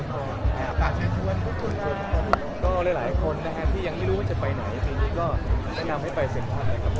ก็หลายหลายคนนะฮะที่ยังไม่รู้ว่าจะไปไหนที่ก็แนะนำให้ไปเฉพาะนะครับ